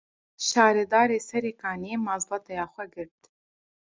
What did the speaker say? Şaredarê Serêkaniyê, mazbataya xwe girt